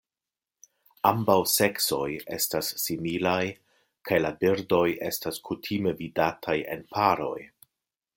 Ambaŭ seksoj estas similaj kaj la birdoj estas kutime vidataj en paroj.